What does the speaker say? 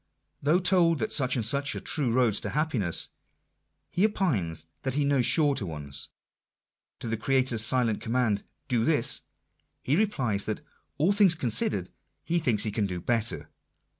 Though told that such and such are the true roads to happiness, he opines that he knows shorter ones ! To the Creator s silent command — "Do this ;" he replies that, all things considered, he thinks he can do better